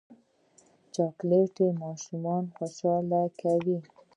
چاکلېټ ماشومان خوشحاله کوي.